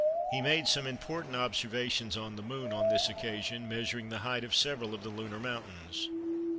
He made some important observations on the Moon on this occasion measuring the height of several of the lunar mountains.